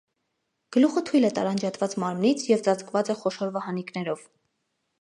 Գլուխը թույլ է տարանջատված մարմնից և ծածկված է խոշոր վահանիկներով։